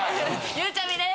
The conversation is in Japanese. ゆうちゃみです。